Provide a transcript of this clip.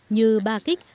như ba kích